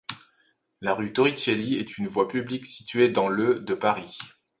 La rue Torricelli est une voie publique située dans le de Paris.